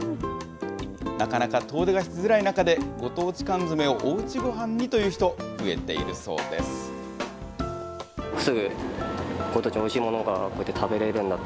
なかなか遠出がしづらい中で、ご当地缶詰をおうちごはんにという人、増えているそうです。